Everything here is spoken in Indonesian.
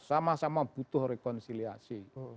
sama sama butuh rekonsiliasi